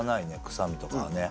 臭みとかね。